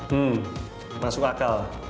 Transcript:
hmm masuk akal